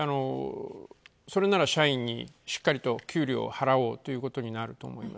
それなら、社員にしっかりと給料を払おうということになると思います。